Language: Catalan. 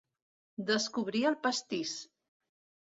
Descobrir el pastís.